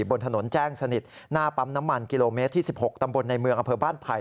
บนถนนแจ้งสนิทหน้าปั๊มน้ำมันกิโลเมตรที่๑๖ตำบลในเมืองอำเภอบ้านไผ่